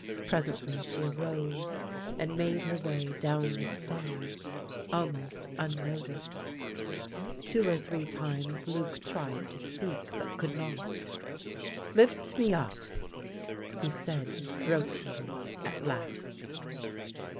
Presently she arose and made her way down the stair, almost unnoticed. THE LITTLE BELL OF HONOUR 121 Two or three times Luc tried to speak, but could not. " Lift me up !'' he said brokenly, at last.